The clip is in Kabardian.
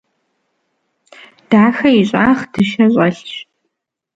Дахэ и щӀагъ дыщэ щӀэлъщ.